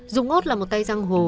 dũng út là một tay giang hồ